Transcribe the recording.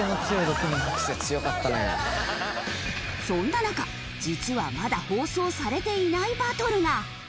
そんな中実はまだ放送されていないバトルが。